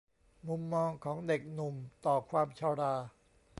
มุมมองของเด็กหนุ่มต่อความชรา